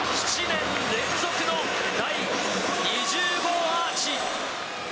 ７年連続の第２０号アーチ。